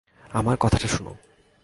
আমার কথাটা শোন।